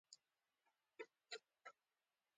د اتیا لسیزې په لومړیو کې شل زره انسانان ووژل شول.